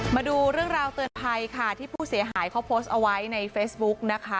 มาดูเรื่องราวเตือนภัยค่ะที่ผู้เสียหายเขาโพสต์เอาไว้ในเฟซบุ๊กนะคะ